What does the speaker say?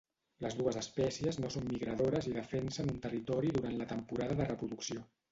Les dues espècies no són migradores i defensen un territori durant la temporada de reproducció.